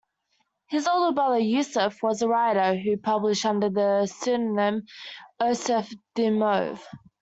His older brother Yosif was a writer who published under the pseudonym Osip Dymov.